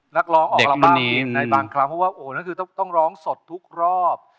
นักร้องใบบางครั้งเพราะว่าโอ้นั่นคือต้องต้องร้องสดทุกรอบ